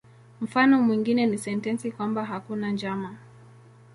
Mfano mwingine ni sentensi kwamba "hakuna njama".